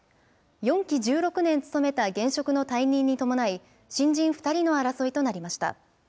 ４期１６年務めた現職の退任に伴い、新人２人の争いとなりました。